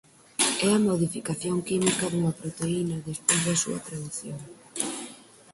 É a modificación química dunha proteína despois da súa tradución.